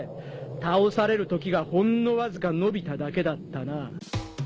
倒されるときがほんのわずか延びただけだったな。